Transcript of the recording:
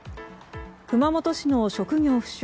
熊本市の職業不詳